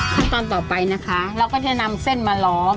ขั้นตอนต่อไปนะคะเราก็จะนำเส้นมาล้อม